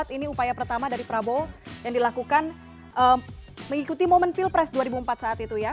ini upaya pertama dari prabowo yang dilakukan mengikuti momen pilpres dua ribu empat saat itu ya